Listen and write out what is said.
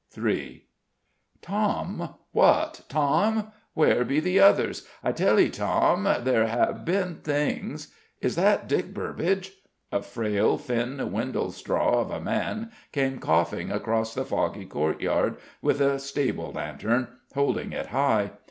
III "Tom! What, Tom! Where be the others? I tell thee, Tom, there have been doings...." "Is that Dick Burbage?" A frail, thin windle straw of a man came coughing across the foggy courtyard with a stable lantern, holding it high.